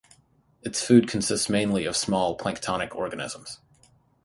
Its food consists mainly of small planktonic organisms.